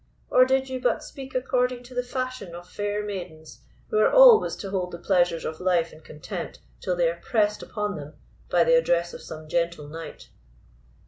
Or did you but speak according to the fashion of fair maidens, who are always to hold the pleasures of life in contempt till they are pressed upon them by the address of some gentle knight?"